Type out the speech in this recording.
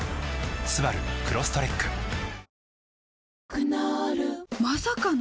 クノールまさかの！？